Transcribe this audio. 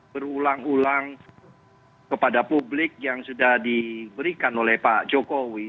berulang ulang kepada publik yang sudah diberikan oleh pak jokowi